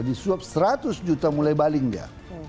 disuap seratus juta mulai baling dia